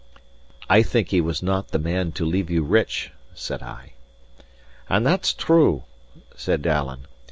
"I think he was not the man to leave you rich," said I. "And that's true," said Alan.